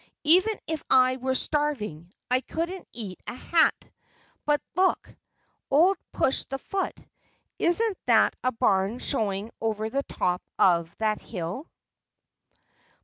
"Even if I were starving, I couldn't eat a hat. But look, old Push the Foot, isn't that a barn showing over the top of that hill?"